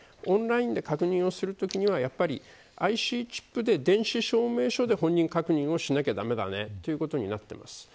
オンラインで確認をするときにはＩＣチップで電子証明書で本人確認をしなきゃ駄目だねということになっています。